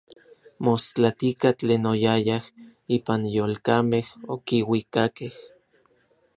Mostlatika tlen oyayaj ipan yolkamej okiuikakej.